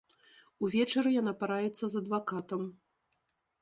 Увечары яна параіцца з адвакатам.